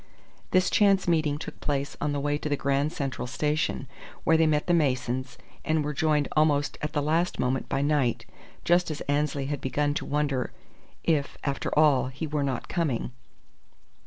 This chance meeting took place on the way to the Grand Central Station, where they met the Masons, and were joined almost at the last moment by Knight, just as Annesley had begun to wonder if, after all, he were not coming.